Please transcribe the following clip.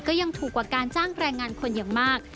ก็ยังถูกกว่าการจ้างแรงงานคนอย่างมาก